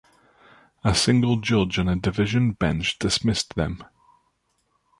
A single judge and a Division Bench dismissed them.